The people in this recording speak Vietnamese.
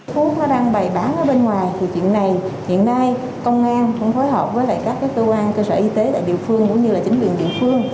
thuốc nó đang bày bán ở bên ngoài thì chuyện này hiện nay công an cũng phối hợp với các cơ quan cơ sở y tế tại địa phương cũng như là chính quyền địa phương